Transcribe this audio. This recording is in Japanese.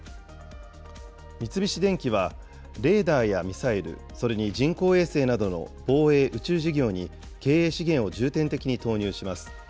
三菱電機はレーダーやミサイル、それに人工衛星などの防衛・宇宙事業に経営資源を重点的に投入します。